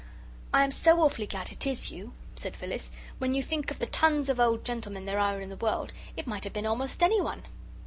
"I am so awfully glad it IS you," said Phyllis; "when you think of the tons of old gentlemen there are in the world it might have been almost anyone."